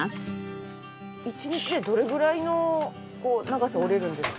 １日でどれぐらいの長さを織れるんですか？